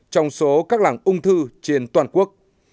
trong số các làng ung thư trên toàn quốc